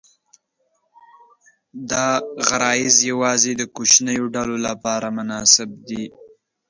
دا غرایز یواځې د کوچنیو ډلو لپاره مناسب دي.